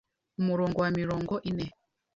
umurongo wa mirongo ine